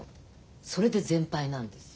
それで全敗なんです。